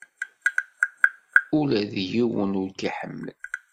Ula d yiwen ur k-iḥemmel.